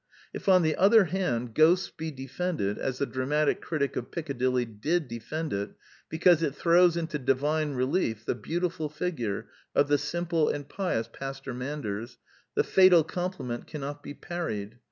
If, on the other hand. Ghosts be defended, as the dramatic critic of Piccadilly did defend it, because it throws into divine relief the beautiful figure of the simple and pious Pastor Manders, the fatal compliment cannot be parried.